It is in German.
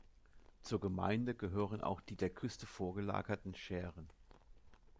Zur Gemeinde gehören auch die der Küste vorgelagerten Schären.